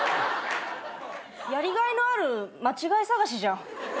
やりがいのある間違い探しじゃん。